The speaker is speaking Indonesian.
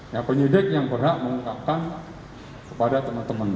ya penyidik yang berhak mengungkapkan kepada teman teman